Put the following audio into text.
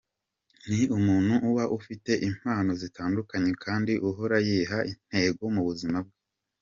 Ni umuntu uba ufite impano zitandukanye kandi uhora yiha intego mu buzima bwe.